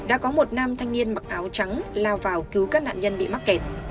anh niên mặc áo trắng lao vào cứu các nạn nhân bị mắc kẹt